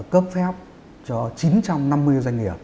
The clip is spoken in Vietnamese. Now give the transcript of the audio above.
cấp phép cho chín trăm năm mươi doanh nghiệp